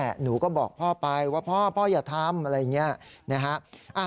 หนูก็บอกพ่อไปว่าพ่อพ่ออย่าทำอะไรอย่างนี้นะฮะ